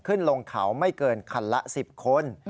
ขึ้นลงเขาไม่เกินคันละ๑๐คน